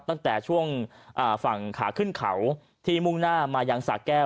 ตั้งแต่ช่วงฝั่งขาขึ้นเขาที่มุ่งหน้ามายังสาแก้ว